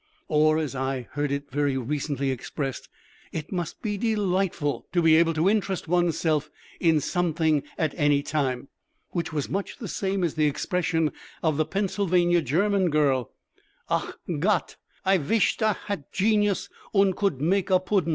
Or, as I heard it very recently expressed, "It must be delightful to be able to interest one's self in something at any time." Which was much the same as the expression of the Pennsylvania German girl, "Ach Gott! I wisht I hat genius und could make a pudden!"